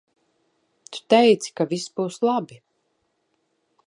Tu teici ka viss būs labi.